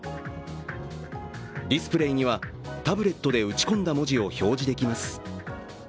ディスプレーにはタブレットで打ち込んだ文字を表示できます。